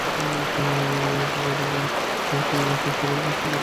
প্রাণায়াম-ক্রিয়াটি এইরূপে শারীরবিজ্ঞানের সাহায্যে ব্যাখ্যা করা যাইতে পারে।